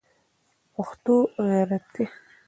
پښتو غیرت دی